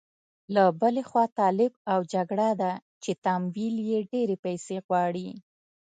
له بلې خوا طالب او جګړه ده چې تمویل یې ډېرې پيسې غواړي.